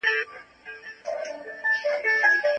د نجونو تعلیم د هېواد پرمختګ تضمینوي.